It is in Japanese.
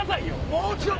もちろん！